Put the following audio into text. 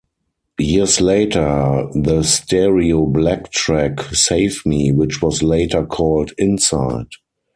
Years later, the Stereo Black track "Save Me" which was later called "Inside".